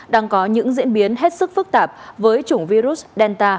đang có những diễn biến hết sức phức tạp với chủng virus delta